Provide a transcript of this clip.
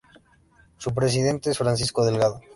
Su presidente es Francisco Delgado.